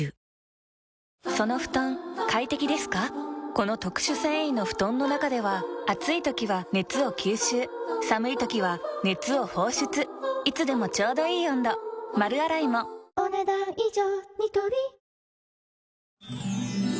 この特殊繊維の布団の中では暑い時は熱を吸収寒い時は熱を放出いつでもちょうどいい温度丸洗いもお、ねだん以上。